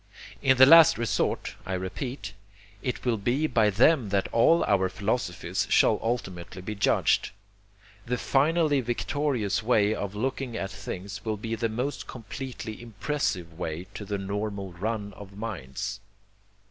In the last resort, I repeat, it will be by them that all our philosophies shall ultimately be judged. The finally victorious way of looking at things will be the most completely IMPRESSIVE way to the normal run of minds.